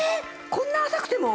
こんな浅くても？